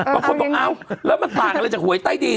บางคนบอกเอ้าแล้วมันต่างอะไรจากหวยใต้ดิน